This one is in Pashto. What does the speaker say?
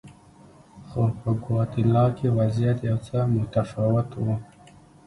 خو په ګواتیلا کې وضعیت یو څه متفاوت و.